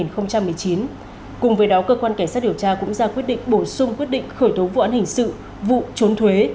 cơ quan cảnh sát điều tra công an tỉnh nam định cũng ra quyết định bổ sung quyết định khởi tố vụ án hình sự vụ trốn thuế